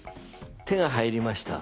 手が入りました。